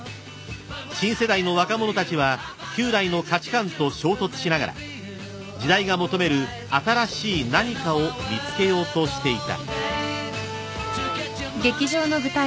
［新世代の若者たちは旧来の価値観と衝突しながら時代が求める新しい何かを見つけようとしていた］